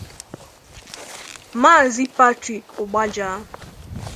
Maazị Patrick Ugbaja